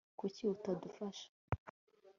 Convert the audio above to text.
kuki utadufasha